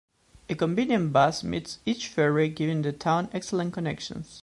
A convenient bus meets each ferry giving the town excellent connections.